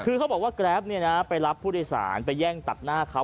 คือเขาบอกว่าแกรปไปรับผู้โดยสารไปแย่งตัดหน้าเขา